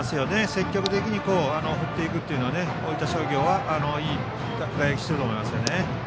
積極的に振っていくというのは大分商業はいい打撃をしていると思いますね。